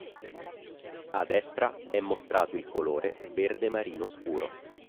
A destra è mostrato il colore verde marino scuro.